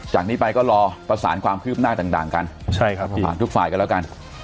จากนี้ไปก็รอประสานความคืบหน้าต่างกันผ่านทุกฝ่ายกันแล้วกัน